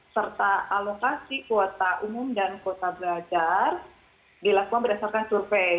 serta alokasi kuota umum dan kuota belajar dilakukan berdasarkan survei